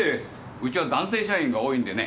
ウチは男性社員が多いんでね。